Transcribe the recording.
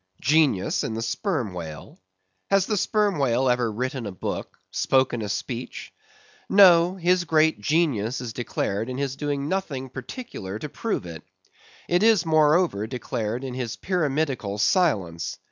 Genius in the Sperm Whale? Has the Sperm Whale ever written a book, spoken a speech? No, his great genius is declared in his doing nothing particular to prove it. It is moreover declared in his pyramidical silence.